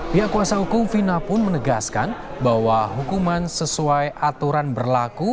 pihak kuasa hukum fina pun menegaskan bahwa hukuman sesuai aturan berlaku